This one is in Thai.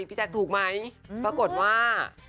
แจ๊คถูกไหมปรากฏว่า